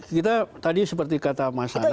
kita tadi seperti kata mas anang ya